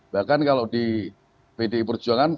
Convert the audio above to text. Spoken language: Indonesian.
bahkan kalau di pdi perjuangan